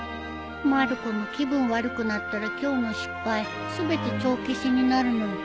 まる子も気分悪くなったら今日の失敗全て帳消しになるのに